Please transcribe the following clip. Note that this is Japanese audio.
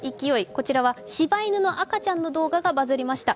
こちらはしば犬の赤ちゃんの動画がバズりました。